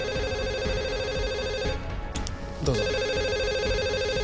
どうぞ。